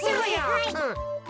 はい。